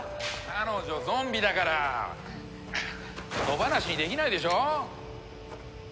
彼女ゾンビだから野放しにできないでしょ？